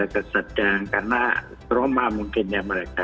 karena trauma mungkin ya mereka